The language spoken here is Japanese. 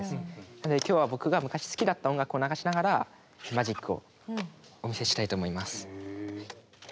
なので今日は僕が昔好きだった音楽を流しながらマジックをお見せしたいと思います。